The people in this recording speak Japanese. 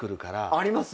あります？